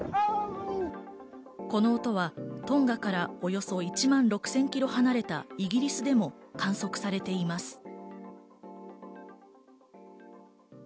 この音はトンガからおよそ１万６０００キロ離れたイギリスでも観測されています。